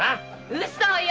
ウソよ！